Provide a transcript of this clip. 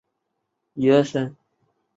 曼巴伊是巴西戈亚斯州的一个市镇。